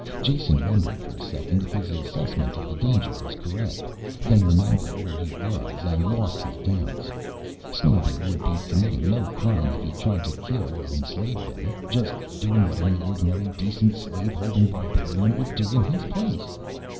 Jason wondered for a second if his assessment of the danger was correct, then remembered where he was and lost his doubts. Snarbi would be committing no crime if he tried to kill or enslave them, just doing what any ordinary, decent slave holding barbarian would do in his place.